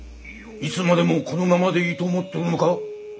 いつまでもこのままでいいと思っとるのか？